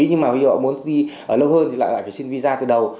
nhưng mà bây giờ họ muốn đi ở lâu hơn thì lại phải xin visa từ đầu